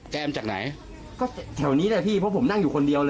มาจากไหนก็แถวนี้แหละพี่เพราะผมนั่งอยู่คนเดียวเลย